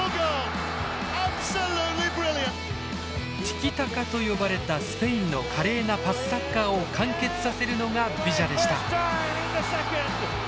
「ティキタカ」と呼ばれたスペインの華麗なパスサッカーを完結させるのがビジャでした。